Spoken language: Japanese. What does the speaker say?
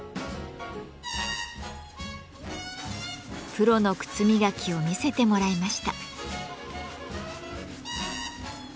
プロの靴磨きを見せてもらいました。